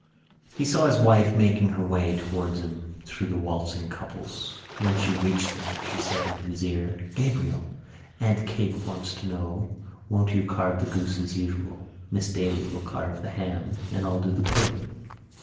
He saw his wife making her way towards him through the waltzing couples. When she reached him she said into his ear: "Gabriel, Aunt Kate wants to know won't you carve the goose as usual. Miss Daly will carve the ham and I'll do the pudding."